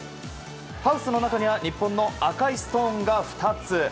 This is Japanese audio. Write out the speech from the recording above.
ハウスの中には日本の赤いストーンが２つ。